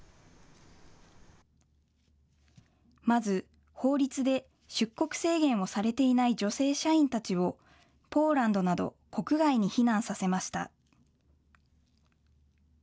まず、法律で出国制限をされていない女性社員たちをポーランドなど国外に避難させました。